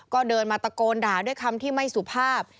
ก็เดินมาตะโกนด่าด้วยคำที่ไม่สุภาพ